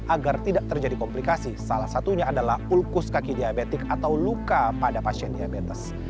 agar tidak terjadi komplikasi salah satunya adalah ulkus kaki diabetik atau luka pada pasien diabetes